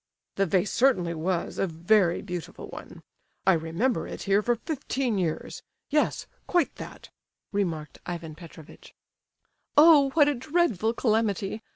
"The vase certainly was a very beautiful one. I remember it here for fifteen years—yes, quite that!" remarked Ivan Petrovitch. "Oh, what a dreadful calamity!